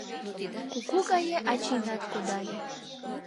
Куку гае ачийнат кодале